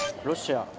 ロシア。